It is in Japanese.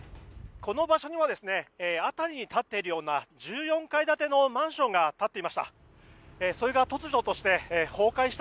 この場所には辺りに建っているような１４階建てのマンションが立っていました。